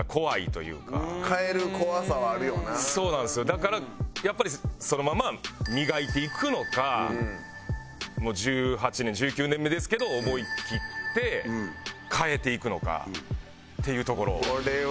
だからやっぱりそのまま磨いていくのかもう１８年１９年目ですけど思い切って変えていくのかっていうところを。